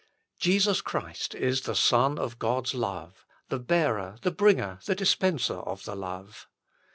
Jesus Christ is the Son of God s love, the Bearer, the Bringer, the Dispenser of the love.